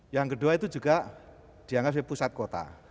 yang kedua itu juga dianggap sebagai pusat kota